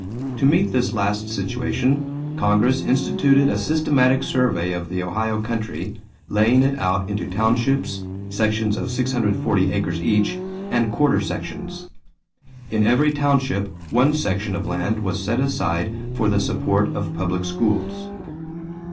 To meet this last situation, Congress instituted a systematic survey of the Ohio country, laying it out into townships, sections of 640 acres each, and quarter sections. In every township one section of land was set aside for the support of public schools.